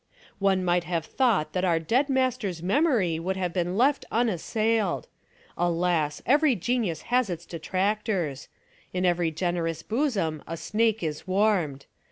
"One might have thought that our dead mas ter's memory would have been left unassailed. Alas ! every genius has its detractors. In every generous bosom a snake is warmed.